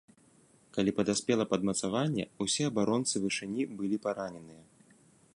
Калі падаспела падмацаванне, усе абаронцы вышыні былі параненыя.